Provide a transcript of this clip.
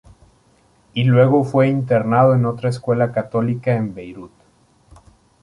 Y luego fue internado en otra escuela católica en Beirut.